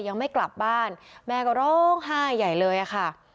ยังไม่กลับบ้านแม่ก็ร้องไห้ใหญ่เลยอะค่ะ